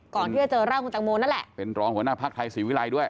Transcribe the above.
ก่อนที่จะเจอร่างคุณตังโมนั่นแหละเป็นรองหัวหน้าภักดิ์ไทยศรีวิรัยด้วย